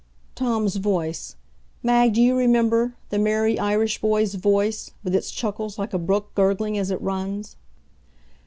Tom's voice Mag, do you remember, the merry Irish boy's voice, with its chuckles like a brook gurgling as it runs?